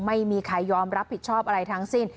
ไม่มีใครยอมรับผิดชอบอะไรทั้งสิ้น